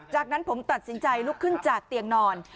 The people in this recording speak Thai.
จากนั้นผมตัดสินใจลุกขึ้นจากเตียงนอน